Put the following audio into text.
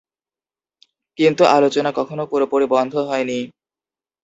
কিন্তু আলোচনা কখনও পুরোপুরি বন্ধ হয়নি।